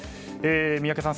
宮家さん